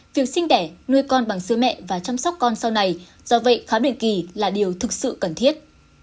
việc sinh đẻ nuôi con bằng sư mẹ và chăm sóc con sau này do vậy khá định kỳ là điều thực sự cần thiết